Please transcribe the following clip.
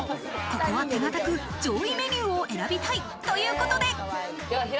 ここは手堅く上位メニューを選びたいということで。